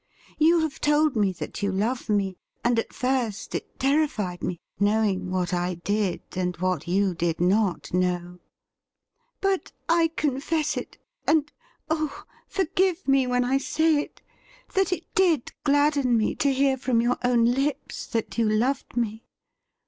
You have told me that you love me, and at first it terrified me, knowing what I did, and what you did not know. But I confess it — and, oh ! forgive me when I say it — that it did gladden me to hear from your own lips that you loved me